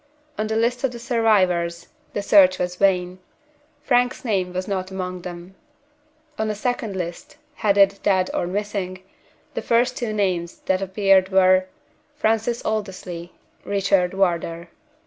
On the list of the survivors, the search was vain. Frank's name was not among them. On a second list, headed "Dead or Missing," the first two names that appeared were: FRANCIS ALDERSLEY. RICHARD WARDOUR.